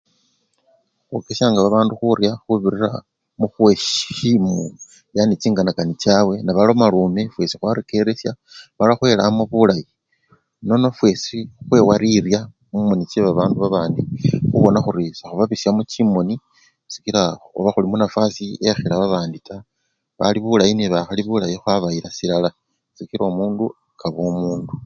Khwokesyanga bandu khurya khubirira mukhuwesyimu yani chinganakana chabwe, nebaloma nefwesi khwarekeresya mala khwelamo bulayi, nono fwesi khwewa lirya mumoni chebabandu babandi khubona khuri sekhubabisyamo chimoni sikila oba khuli munafwasi ekhila babandi taa, bali bulayi nebakhali bulayi khwabayila silala sikila omundu kaba omundu.